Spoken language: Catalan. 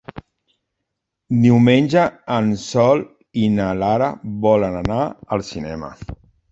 Diumenge en Sol i na Lara volen anar al cinema.